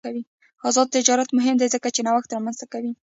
آزاد تجارت مهم دی ځکه چې نوښت رامنځته کوي.